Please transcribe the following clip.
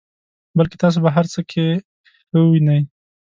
بلکې تاسو په هر څه کې ښه وینئ.